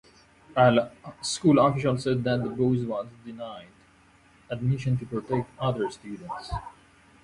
School officials said that the boy was denied admission to protect other students.